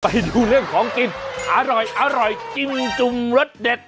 ไปดูเรื่องของกินอร่อยกินจุ่มรสเด็ด